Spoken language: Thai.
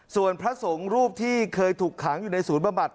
ส่วนพระสงฆ์รูปที่เคยถูกขังอยู่ในศูนย์บำบัด